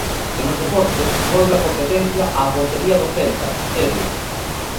E nos deportes, volve a competencia á portería do Celta, Terio.